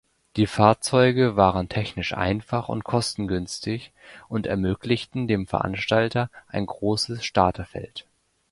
Die Fahrzeuge waren technisch einfach und kostengünstig und ermöglichten dem Veranstalter ein großes Starterfeld.